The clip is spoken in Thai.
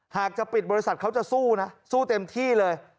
หากจะปิดบริษัทเขาจะสู้นะสู้เต็มที่เลย